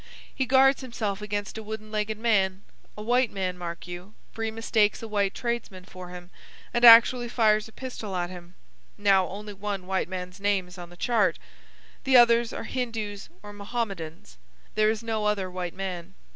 He guards himself against a wooden legged man,—a white man, mark you, for he mistakes a white tradesman for him, and actually fires a pistol at him. Now, only one white man's name is on the chart. The others are Hindoos or Mohammedans. There is no other white man.